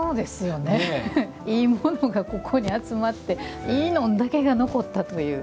いいものが、ここに集まっていいのだけが残ったという。